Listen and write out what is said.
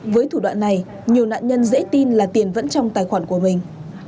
với thủ đoạn này nhiều nạn nhân dễ tin là tiền vẫn trong tài khoản của mình